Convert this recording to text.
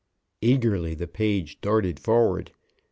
Eagerly the page darted forward.